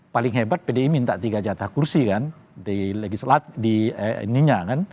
paling hebat pdi minta tiga jatah kursi kan